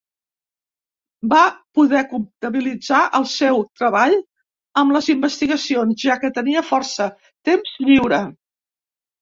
Va poder compatibilitzar el seu treball amb les investigacions, ja que tenia força temps lliure.